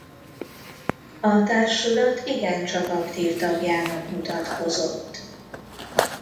A társulat igencsak aktív tagjának mutatkozott.